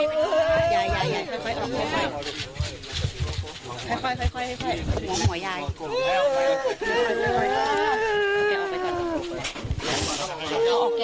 ค่อยหัวหัวยาย